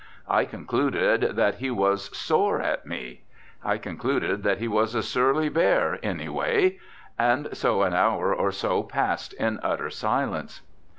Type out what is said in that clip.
I concluded that he was "sore" at me; I concluded that he was a surly bear, anyway. And so an hour or so passed in utter silence.